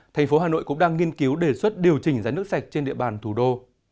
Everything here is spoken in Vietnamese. tp hcm cũng đang nghiên cứu đề xuất điều chỉnh giá nước sạch trên địa bàn thủ đô